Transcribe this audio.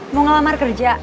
mau ngelamar kerja